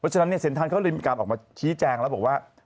เพราะฉะนั้นเซ็นทรัลเขาเลยกลับออกมาชี้แจงแล้วบอกว่า